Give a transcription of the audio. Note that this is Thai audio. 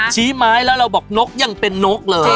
ชี้ไม้แล้วเราบอกนกยังเป็นนกเลย